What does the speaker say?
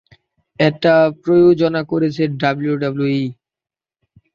এটা প্রযোজনা করেছে ডাব্লিউডাব্লিউই।